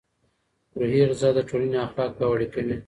روحي غذا د ټولنې اخلاق پیاوړي کوي.